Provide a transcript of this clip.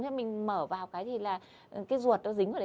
thế mình mở vào cái thì là cái ruột nó dính vào đấy